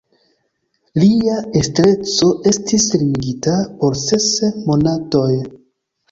Lia estreco estis limigita por ses monatoj.